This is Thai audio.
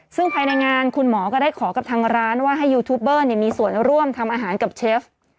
ซึ่งภายในงานคุณหมอก็ได้ขอกับทางร้านว่าให้ยูทูบเบอร์มีส่วนร่วมทำอาหารกับเชฟ